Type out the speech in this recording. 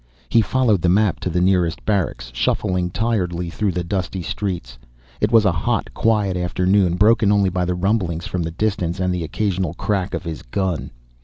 He followed the map to the nearest barracks, shuffling tiredly through the dusty streets. It was a hot, quiet afternoon, broken only by rumblings from the distance, and the occasional crack of his gun.